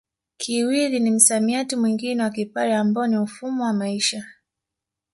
Kiwili ni msamiati mwingine wa Kipare ambao ni mfumo wa maisha